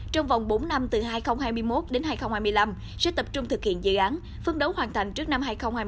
trong vòng bốn năm từ hai nghìn hai mươi một đến hai nghìn hai mươi năm sẽ tập trung thực hiện dự án phân đấu hoàn thành trước năm hai nghìn hai mươi